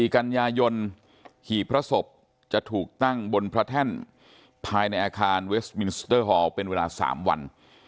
๔กันยายนหี่พระศพจะถูกตั้งบนพระแท่นภายในอาคารเวสมินสเตอร์ฮอลเป็นเวลา๓วัน